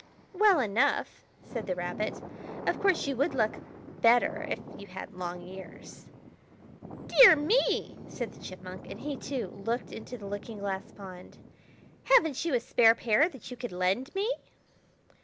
"Well enough!" said the Rabbit. "Of course, you would look better if you had long ears." "Dear me!" said the Chipmunk; and he, too, looked into the looking glass pond. "Haven't you a spare pair that you could lend me?"